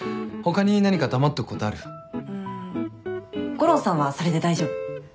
悟郎さんはそれで大丈夫。